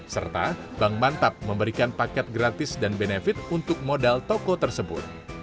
serta bank mantap memberikan paket gratis dan benefit untuk modal toko tersebut